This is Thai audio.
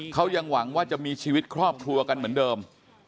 เขายังหวังว่าจะมีชีวิตครอบครัวกันเหมือนเดิม